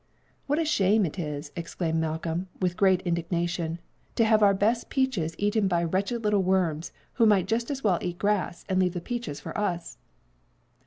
"What a shame it is," exclaimed Malcolm, in great indignation, "to have our best peaches eaten by wretched little worms who might just as well eat grass and leave the peaches for us!"